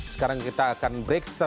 sekarang kita akan break